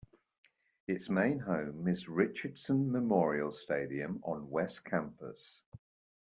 Its main home is Richardson Memorial Stadium on West Campus.